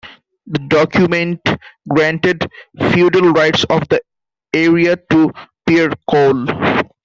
The document granted feudal rights of the area to Pierre Coul.